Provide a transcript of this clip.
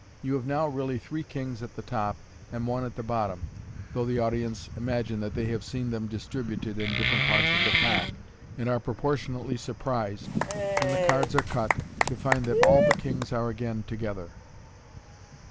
You have now really three kings at the top and one at the bottom, though the audience imagine that they have seen them distributed in different parts of the pack, and are pro portionately surprised, when the cards are cut, to find that all the kings are again to gether.